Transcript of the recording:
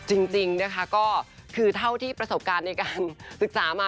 จริงนะคะก็คือเท่าที่ประสบการณ์ในการศึกษามา